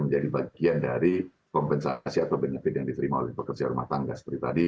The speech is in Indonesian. menjadi bagian dari kompensasi atau benefit yang diterima oleh pekerja rumah tangga seperti tadi